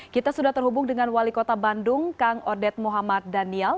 kita sudah terhubung dengan wali kota bandung kang odet muhammad daniel